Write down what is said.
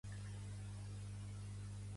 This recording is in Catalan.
Pertany al moviment independentista l'Horori?